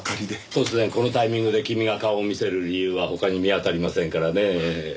突然このタイミングで君が顔を見せる理由は他に見当たりませんからねぇ。